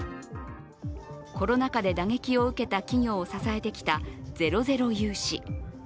コロナ禍で打撃を受けた企業を支えてきたゼロゼロ融資。